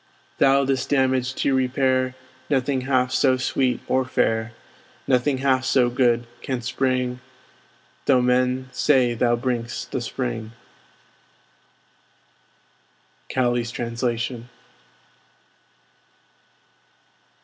Thou, this damage to repair, Nothing half so sweet or fair, Nothing half so good, canst bring, Though men say thou bring'st the Spring. Cowley's Translation.